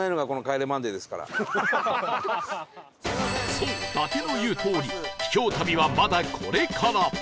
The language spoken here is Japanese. そう伊達の言うとおり秘境旅はまだこれから！